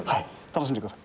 楽しんでください